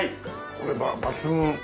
これ抜群。